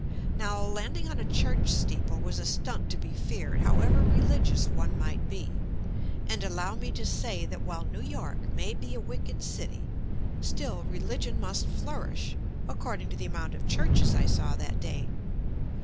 Now landing on a church steeple was a stunt to be feared, however religious one might be, and allow me to say that while New York may be a wicked city, still religion must flourish, accord ing to the amount of churches I saw that day.